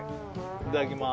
いただきます